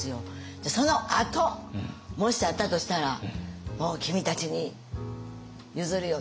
じゃあそのあともしあったとしたらもう君たちに譲るよ